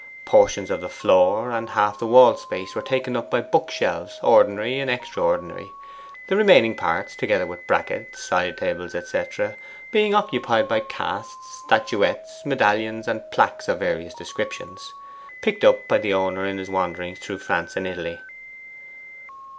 Portions of the floor, and half the wall space, were taken up by book shelves ordinary and extraordinary; the remaining parts, together with brackets, side tables, &c., being occupied by casts, statuettes, medallions, and plaques of various descriptions, picked up by the owner in his wanderings through France and Italy.